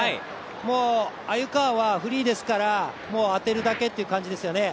もう、鮎川はフリーですからもう当てるだけって感じですよね